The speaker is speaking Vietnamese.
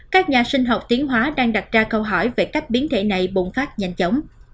các nhà sinh học tiến hóa đang đặt ra câu hỏi về cách biến thể này bùng phát nhanh chóng